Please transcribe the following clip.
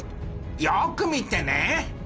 よく見てね。